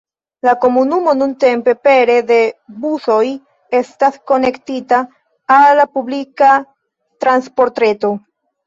La komunumo nuntempe pere de busoj estas konektita al la publika transportreto.